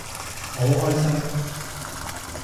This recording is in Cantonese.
我好開心